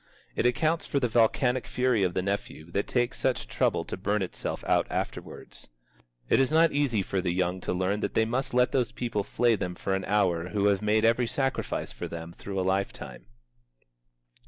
It accounts for the volcanic fury of the nephew that takes such trouble to burn itself out afterwards. It is not easy for the young to learn that they must let those people flay them for an hour who have made every sacrifice for them through a life time.